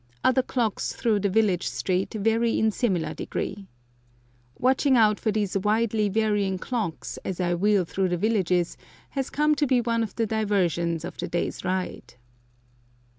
Other clocks through the village street vary in similar degree. Watching out for these widely varying clocks as I wheel through the villages has come to be one of the diversions of the day's ride.